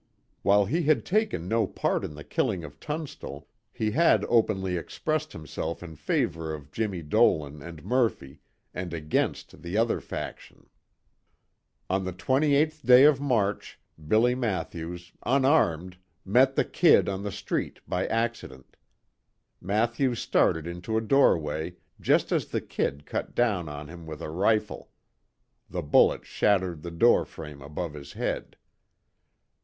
While he had taken no part in the killing of Tunstall, he had openly expressed himself in favor of Jimmie Dolan and Murphy, and against the other faction. On the 28th day of March, Billy Mathews, unarmed, met the "Kid" on the street by accident. Mathews started into a doorway, just as the "Kid" cut down on him with a rifle. The bullet shattered the door frame above his head.